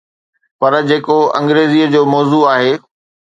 پر جيڪو انگريزيءَ جو موضوع آهي.